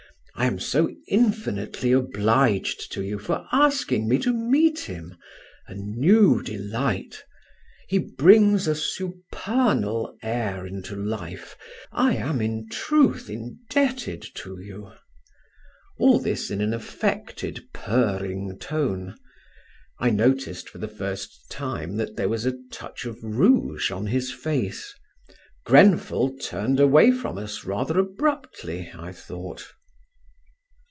I am so infinitely obliged to you for asking me to meet him a new delight. He brings a supernal air into life. I am in truth indebted to you" all this in an affected purring tone. I noticed for the first time that there was a touch of rouge on his face; Grenfell turned away from us rather abruptly I thought.